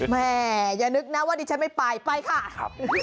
แม่อย่านึกนะว่าดิฉันไม่ไปไปค่ะ